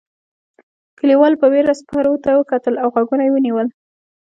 کليوالو په وېره سپرو ته کتل او غوږونه یې ونیول.